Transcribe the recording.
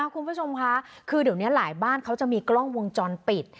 คุณผู้ชมค่ะคือเดี๋ยวนี้หลายบ้านเขาจะมีกล้องวงจรปิด